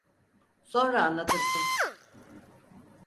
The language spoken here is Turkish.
Sonra anlatırsın.